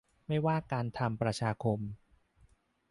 ไม่ว่าการทำประชาคม